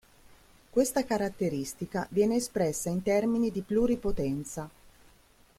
Questa caratteristica viene espressa in termini di pluri"potenza".